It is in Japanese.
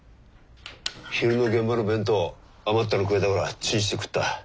昼の現場の弁当余ったのくれたからチンして食った。